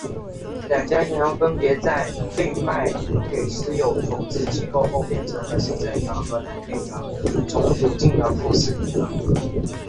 两家银行分别在被卖给私有投资机构后变成了新生银行和蓝天银行重组进了富士银行。